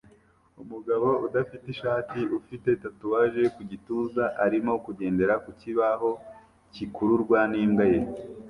Umugabo udafite ishati ufite tatuwaje ku gituza arimo kugendera ku kibaho cyikururwa n'imbwa ye